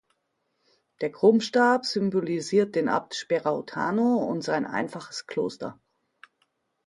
Der Krummstab symbolisiert den Abt Sperautano und sein einfaches Kloster.